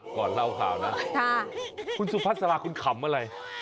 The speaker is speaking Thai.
ก่อนเล่าข่าวนะคุณสุภาษาลาคุณขำอะไร